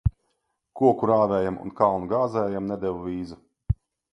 Koku rāvējam un kalnu gāzējam nedeva vīzu.